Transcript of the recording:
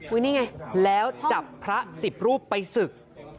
นี่ไงแล้วจับพระสิบรูปไปศึก